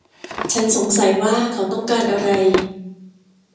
ฉันสงสัยว่าเขาต้องการอะไร